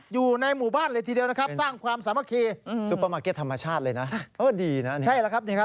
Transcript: อยู่ในหมู่บ้านเลยทีเดียวนะครับสร้างความสามัคคี